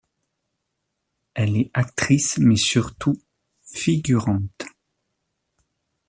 Elle est actrice mais surtout figurante.